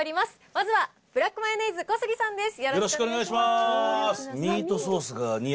まずはブラックマヨネーズ・小杉さんです。